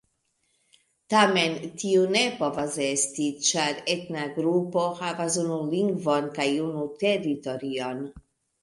Tamen tio ne povas esti, ĉar etna grupo havas unu lingvon kaj unu teritorion.